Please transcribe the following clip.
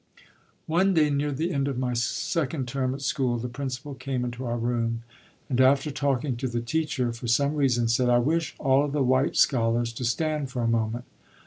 One day near the end of my second term at school the principal came into our room and, after talking to the teacher, for some reason said: "I wish all of the white scholars to stand for a moment."